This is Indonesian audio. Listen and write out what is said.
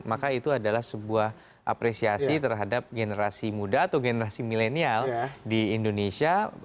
maka itu adalah sebuah apresiasi terhadap generasi muda atau generasi milenial di indonesia